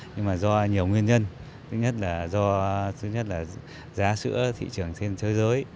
nhưng mà do nhiều nguyên nhân thứ nhất là giá sữa thị trường trên thế giới